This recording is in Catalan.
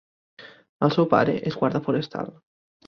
El seu pare és guarda forestal.